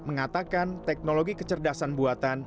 mengatakan teknologi kecerdasan manusia